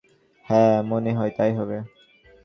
হ্যাঁ, মনে হয় তাই হবে।